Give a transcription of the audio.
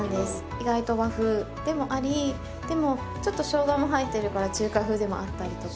意外と和風でもありでもちょっとしょうがも入ってるから中華風でもあったりとか。